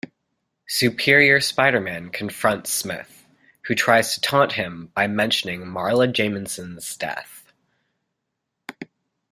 Superior Spider-Man confronts Smythe, who tries to taunt him by mentioning Marla Jameson's death.